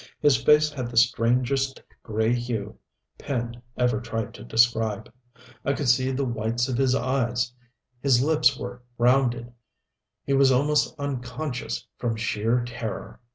His face had the strangest gray hue pen ever tried to describe. I could see the whites of his eyes, his lips were rounded, he was almost unconscious from sheer terror.